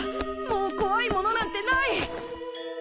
もうこわいものなんてない！